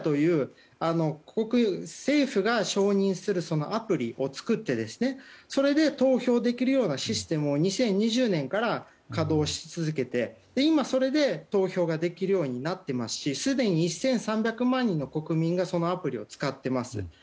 なので政府が承認するアプリを作ってそれで投票できるようなシステムを２０２０年から稼働し続けて今、それで投票ができるようになっていますしすでに１３００万人の国民がそのアプリを使っています。